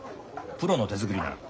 プロの手作りなら。